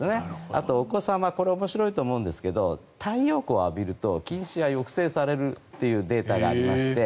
あと、お子様これは面白いと思うんですが太陽光を浴びると近視が抑制されるというデータがありまして。